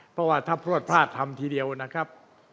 เพราะว่าถ้าพลวดพลาดทำทีเดียวนะครับ